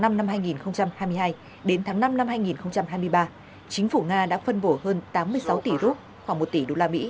năm hai nghìn hai mươi hai đến tháng năm năm hai nghìn hai mươi ba chính phủ nga đã phân bổ hơn tám mươi sáu tỷ rút khoảng một tỷ usd